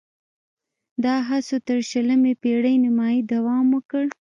دا هڅو تر شلمې پېړۍ نیمايي دوام وکړ